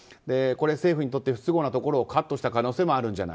政府にとって不都合なところをカットした可能性もあると。